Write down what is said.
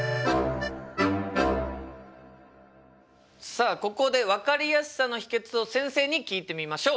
さあここで分かりやすさの秘けつを先生に聞いてみましょう。